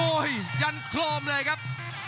โอ้โหยันโครมเลยครับ